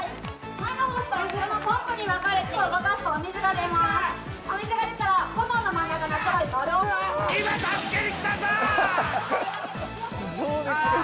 前のホースと後ろのポンプに分かれて動かすとお水が出ますお水が出たら炎の真ん中にあーっ！